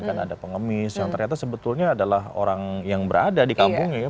karena ada pengemis yang ternyata sebetulnya adalah orang yang berada di kampungnya ya